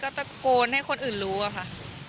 ตะโกนให้คนอื่นรู้อะค่ะ